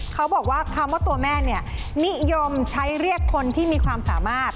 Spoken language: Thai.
เขาบอกว่าคำว่าตัวแม่เนี่ยนิยมใช้เรียกคนที่มีความสามารถ